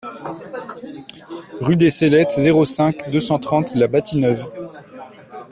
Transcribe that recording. Rue des Cellettes, zéro cinq, deux cent trente La Bâtie-Neuve